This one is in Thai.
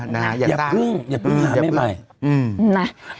อย่าพลึงอย่าพลึงอย่างนั้นไม่ไหล